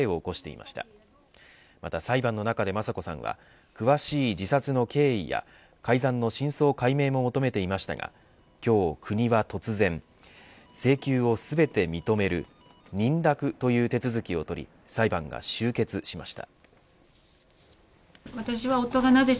また裁判の中で、雅子さんは詳しい自殺の経緯や改ざんの真相解明も求めていましたが今日、国は突然請求を全て認める認諾という手続きをとり裁判が終結しました。